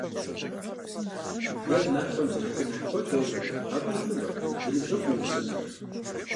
Нэр напӏэм зэрихъумэм хуэдэу, абы ихъумэрт и ныбжьэгъум и насыпыр.